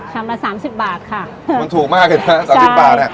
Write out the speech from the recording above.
ชามละ๓๐บาทค่ะมันถูกมากใช่ไหม๓๐บาท